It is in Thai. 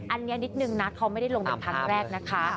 อันนี้นิดนึงนะเขาไม่ได้ลงเป็นครั้งแรกนะคะ